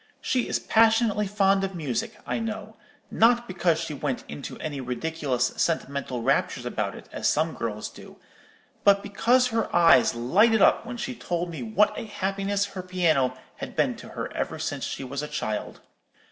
She is passionately fond of music, I know; not because she went into any ridiculous sentimental raptures about it, as some girls do, but because her eyes lighted up when she told me what a happiness her piano had been to her ever since she was a child.